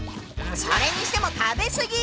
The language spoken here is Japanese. それにしても食べ過ぎ！